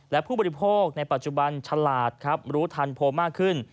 และผู้บริโภคในปัจจุบันฉลาดครับรู้ทันโพลมากขึ้น